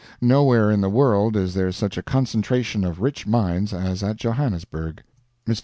Nowhere in the world is there such a concentration of rich mines as at Johannesburg. Mr.